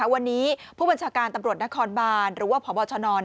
วันนี้ผู้บัญชาการตำรวจนครบานหรือว่าพบชน